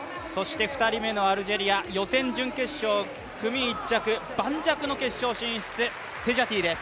２人目のアルジェリア、予選、準決勝、組１着、盤石の決勝進出です。